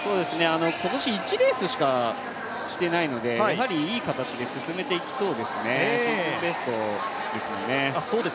今年１レースしかしてないので、やはりいい形で進めていきそうですよね、シーズンベストですよね。